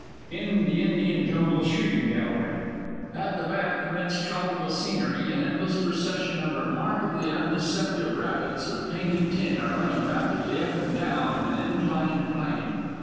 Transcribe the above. IN THE INDIAN JUNGLE SHOOTING GALLERY. _At the back, amidst tropical scenery, an endless procession of remarkably undeceptive rabbits of painted tin are running rapidly up and down an inclined plane.